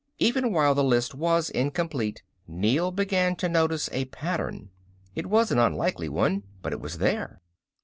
Even while the list was incomplete, Neel began to notice a pattern. It was an unlikely one, but it was there.